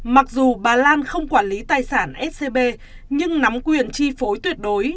mặc dù bà lan không quản lý tài sản scb nhưng nắm quyền chi phối tuyệt đối